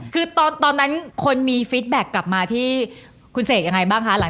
คือตอนนั้นคนมีฟิตแบ็คกลับมาที่คุณเสกยังไงบ้างคะ